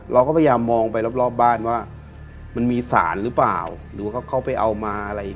เราก็พยายามมองไปรอบบ้านว่ามันมีสารหรือเปล่าหรือว่าเขาไปเอามาอะไร